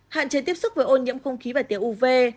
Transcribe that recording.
hạn chế tiếp xúc với ô nhiễm không khí và tia uv